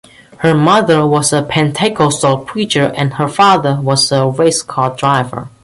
Her mother was a Pentecostal preacher and her father was a race-car driver.